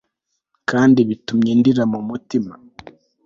kandi bitumye ndira mu mutima